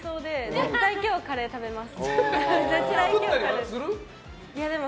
絶対に今日はカレーを食べます。